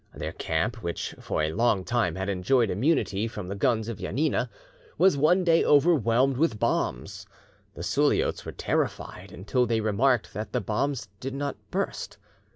Their camp, which for a long time had enjoyed immunity from the guns of Janina, was one day overwhelmed with bombs. The Suliots were terrified, until they remarked that the bombs did not burst.